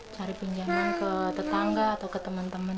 cari pinjaman ke tetangga atau ke tempat yang lebih dekat